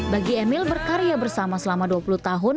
bagi emil berkarya bersama selama dua puluh tahun